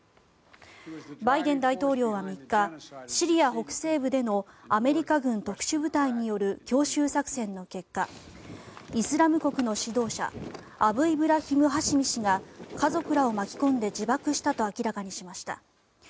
バイデン大統領は３日シリア北西部でのアメリカ軍特殊部隊による強襲作戦の結果イスラム国の指導者アブイブラヒム・ハシミ氏が家族らを巻き込んで自爆したと明らかにしました。